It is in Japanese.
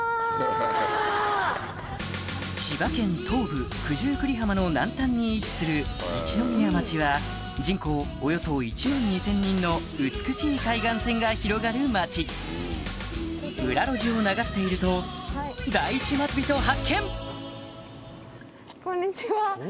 千葉県東部九十九里浜の南端に位置する一宮町は人口およそ１万２０００人の美しい海岸線が広がる町裏路地を流しているとハハハ。